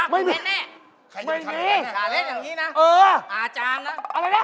ปัดเล่นแบบนี้นะอาจารย์นะ